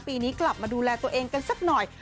ปีนี้กลับมาดูแลตัวเองกันสักหน่อย